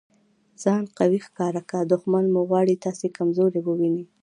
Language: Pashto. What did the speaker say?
ځان قوي ښکاره که! دوښمن مو غواړي تاسي کمزوری وویني.